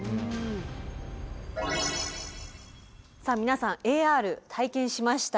さあ皆さんＡＲ体験しました。